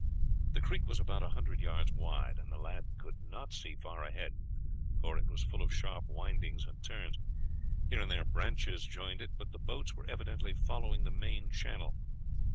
The creek was about a hundred yards wide, and the lad could not see far ahead, for it was full of sharp windings and turnings. Here and there branches joined it, but the boats were evidently following the main channel.